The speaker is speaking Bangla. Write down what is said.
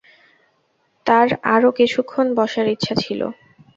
তাঁর আরো কিছুক্ষণ বসার ইচ্ছা ছিল।